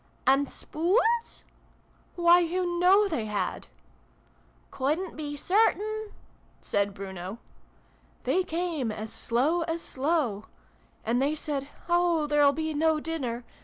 " And spoons ?"'' Why, you know they had !"" Couldn't be certain" said Bruno.) " they came as slow as slow ! And they said ' Oh ! There'll be no dinner